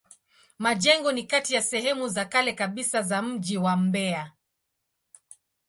Majengo ni kati ya sehemu za kale kabisa za mji wa Mbeya.